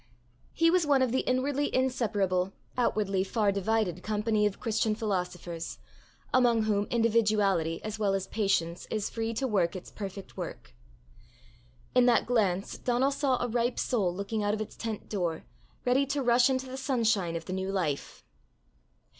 He was one of the inwardly inseparable, outwardly far divided company of Christian philosophers, among whom individuality as well as patience is free to work its perfect work. In that glance Donal saw a ripe soul looking out of its tent door, ready to rush into the sunshine of the new life.